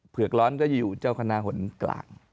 เผือกร้อนก็จะอยู่เจ้าคณะหนกลาง